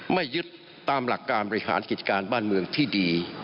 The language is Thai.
ไม่ยึดตามหลักการบริหารกิจการบ้านเมืองที่ดี